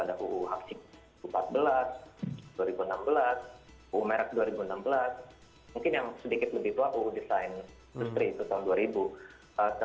ada uu haksik dua ribu empat belas dua ribu enam belas uu merak dua ribu enam belas mungkin yang sedikit lebih tua uu desain industri tahun dua ribu